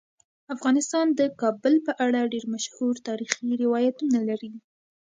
افغانستان د کابل په اړه ډیر مشهور تاریخی روایتونه لري.